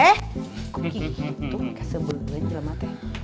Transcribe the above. eh kuki itu gak sebelahnya jelamat ya